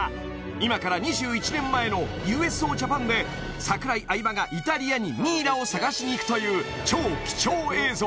今から２１年前の「ＵＳＯ！？ジャパン」で櫻井相葉がイタリアにミイラを探しに行くという超貴重映像！